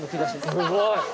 すごい！